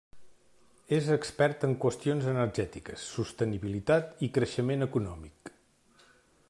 És expert en qüestions energètiques, sostenibilitat i creixement econòmic.